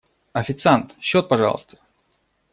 Официант! Счёт, пожалуйста.